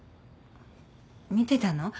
見てたの？